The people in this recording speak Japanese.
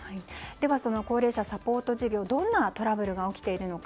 では、高齢者サポート事業でどんなトラブルが起きているのか。